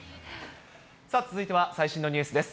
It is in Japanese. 続いては最新のニュースです。